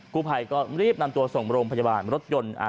กูไภก็รีบนำตัวส่งแมวโมรงพยาบาลหนมรถยนต์อ่า